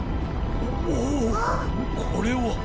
おこれは！